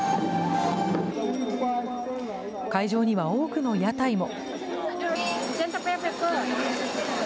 会場には多くの屋台も。